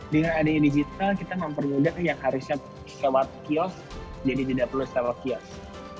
dengan adanya digital kita mempermudah yang harusnya sewa kiosk jadi tidak perlu sewa kiosk